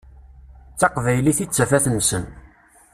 D taqbaylit i d tafat-nsen.